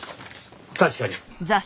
確かに。